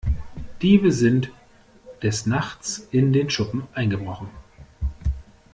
Diebe sind des Nachts in den Schuppen eingebrochen.